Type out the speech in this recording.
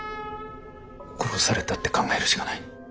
殺されたって考えるしかない。